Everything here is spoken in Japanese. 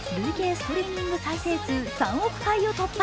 ストリーミング再生数３億回を突破。